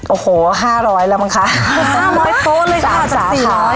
โอ้โหห้าร้อยแล้วมั้งคะห้าม้อยโต๊ะเลยค่ะสามจากสี่ร้อยสามจากสี่ร้อยค่ะอืม